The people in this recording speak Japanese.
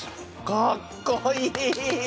かっこいい！